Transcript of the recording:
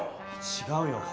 違うよ。